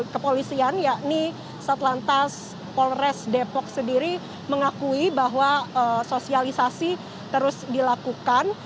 kepolisian yakni satlantas polres depok sendiri mengakui bahwa sosialisasi terus dilakukan